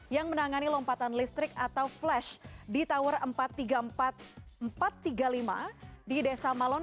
yang menangani lompatan listrik atau flash di tower empat tiga empat ratus tiga puluh lima di desa malon